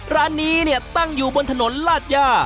ร้านนี้เนี่ยตั้งอยู่บนถนนลาดย่า